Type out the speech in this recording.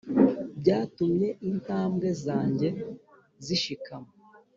Byatumye intambwe zanjye zishikama,